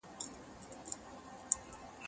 زه پرون د تکړښت لپاره ولاړم